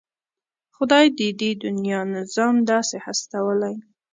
خدای د دې دنيا نظام داسې هستولی.